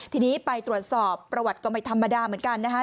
ทีนี้ไปตรวจสอบประวัติก็ไม่ธรรมดาเหมือนกันนะคะ